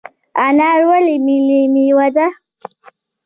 انار ولې ملي میوه ده؟